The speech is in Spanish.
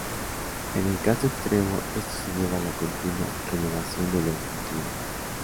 En el caso extremo, esto se lleva a la continua renovación de los nutrientes.